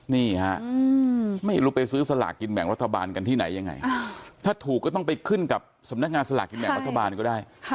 นี่ฮะไม่รู้ไปซื้อสลากกินแบ่งรัฐบาลกันที่ไหนยังไงถ้าถูกก็ต้องไปขึ้นกับสำนักงานสลากกินแบ่งรัฐบาลก็ได้